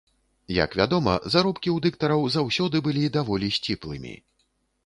Як вядома, заробкі ў дыктараў заўсёды былі даволі сціплымі.